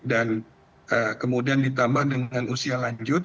kemudian ditambah dengan usia lanjut